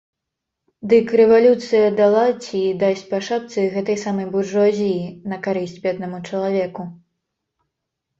Дык рэвалюцыя дала ці дасць па шапцы гэтай самай буржуазіі, на карысць беднаму чалавеку.